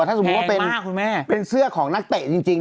แพงมากคุณแม่ถ้าสมมุติว่าเป็นเสื้อของนักเตะจริง